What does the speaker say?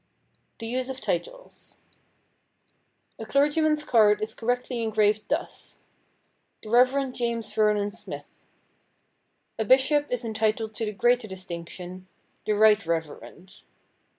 [Sidenote: THE USE OF TITLES] A clergyman's card is correctly engraved thus: "The Reverend James Vernon Smith." A bishop is entitled to the greater distinction, "The Right Reverend."